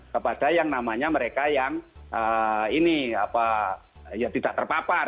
kepada yang namanya mereka yang ini ya tidak terpapar